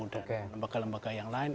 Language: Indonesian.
dan lembaga lembaga yang lain